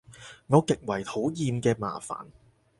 我極為討厭嘅麻煩